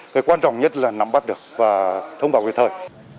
cái quan trọng nhất là nắm bắt được và thông báo kịp thời